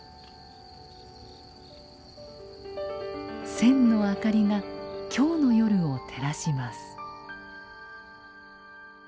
千の明かりが京の夜を照らします。